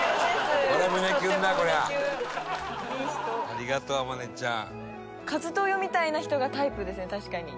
ありがとう天音ちゃん。